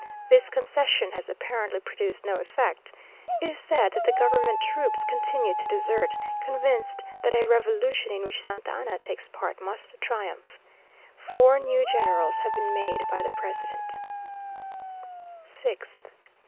This concession has apparently produced no effect. It is said that the government troops continue to desert, convinced that a revolution in which Santa Anna takes part must triumph. Four new generals have been made by the president.... 6th.